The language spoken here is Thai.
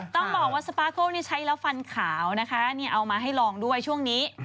ต้องบอกว่าสปาเกิ้นี่ใช้แล้วฟันขาวนะคะเอามาให้ลองด้วยช่วงนี้